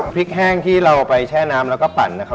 แห้งที่เราไปแช่น้ำแล้วก็ปั่นนะครับ